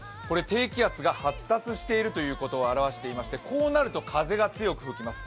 低気圧が発達しているということを表していましてこうなると風が強く吹きます。